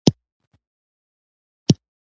د کورونو جوړول په کرنیزه ځمکه ښه دي؟